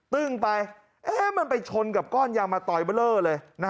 ตึ้งไปมันไปชนกับก้อนยางมะตอยเบอร์เลอร์เลย